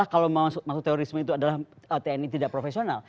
kalau masuk teori itu tni tidak profesional